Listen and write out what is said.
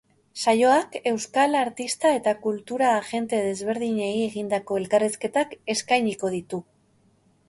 Saioak euskal artista eta kultura agente ezberdineni egindako elkarrizketak eskainiko ditu.